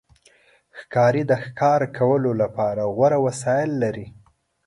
ښکاري د ښکار کولو لپاره غوره وسایل لري.